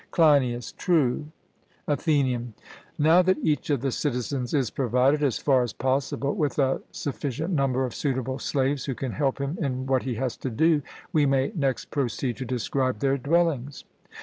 CLEINIAS: True. ATHENIAN: Now that each of the citizens is provided, as far as possible, with a sufficient number of suitable slaves who can help him in what he has to do, we may next proceed to describe their dwellings.